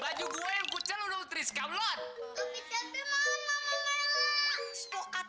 baju gue yang pucat lho tris kabelot